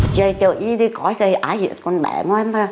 chơi chơi đi coi cái ai giết con bè của em